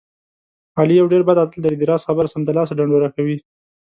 علي یو ډېر بد عادت لري. د راز خبره سمدلاسه ډنډوره کوي.